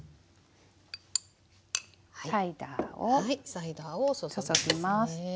サイダーを注ぎますね。